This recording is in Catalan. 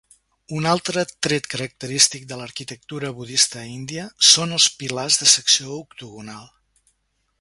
Un altre tret característic de l'arquitectura budista índia són els pilars de secció octogonal.